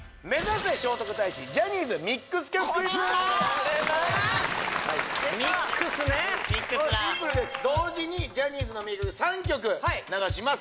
これなミックスねシンプルです同時にジャニーズの名曲３曲流します